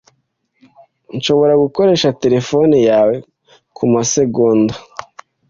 Nshobora gukoresha terefone yawe kumasegonda?